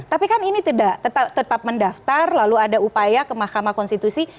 tapi kan ini tidak tetap mendaftar lalu ada upaya ke mahkamah konstitusi